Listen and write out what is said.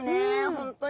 本当に。